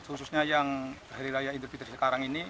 khususnya yang hari raya idul fitri sekarang ini